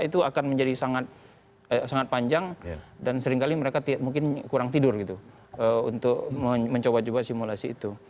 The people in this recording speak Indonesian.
itu akan menjadi sangat panjang dan seringkali mereka mungkin kurang tidur gitu untuk mencoba coba simulasi itu